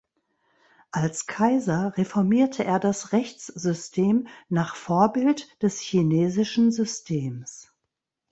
Als Kaiser reformierte er das Rechtssystem nach Vorbild des chinesischen Systems.